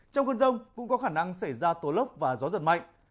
trong cơn rông cũng có khả năng xảy ra tố lốc và gió giật mạnh